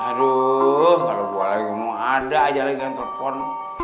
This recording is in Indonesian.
aduh kalo gue lagi mau ada aja lagi yang telepon